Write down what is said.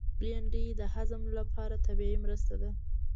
بېنډۍ د هضم لپاره طبیعي مرسته ده